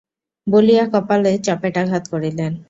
বলিয়া কপালে চপেটাঘাত করিলেন।